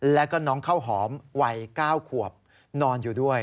แล้วก็น้องข้าวหอมวัย๙ขวบนอนอยู่ด้วย